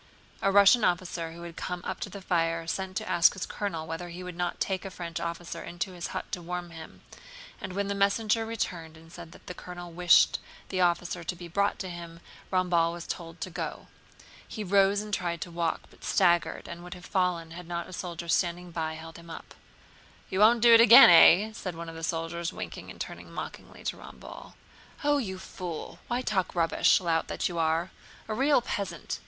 A Russian officer who had come up to the fire sent to ask his colonel whether he would not take a French officer into his hut to warm him, and when the messenger returned and said that the colonel wished the officer to be brought to him, Ramballe was told to go. He rose and tried to walk, but staggered and would have fallen had not a soldier standing by held him up. "You won't do it again, eh?" said one of the soldiers, winking and turning mockingly to Ramballe. "Oh, you fool! Why talk rubbish, lout that you are—a real peasant!"